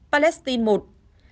đặc biệt indonesia ba